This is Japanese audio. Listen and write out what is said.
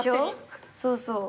そうそう。